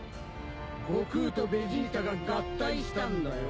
悟空とベジータが合体したんだよ。